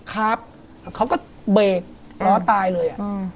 เขาก็เบรกล้อตายเลย